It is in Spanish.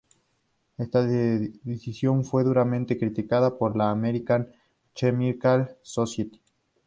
Esta decisión fue duramente criticada por la American Chemical Society.